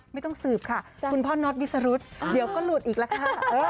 ไม่ต้องสืบค่ะคุณพ่อน็อตวิสรุธเดี๋ยวก็หลุดอีกแล้วค่ะ